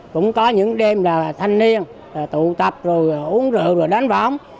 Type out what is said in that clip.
cũng có những đêm là thanh niên tụ tập rồi uống rượu rồi đánh bóng